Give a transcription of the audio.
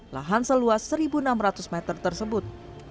lahan seluas satu enam ratus meter tersebut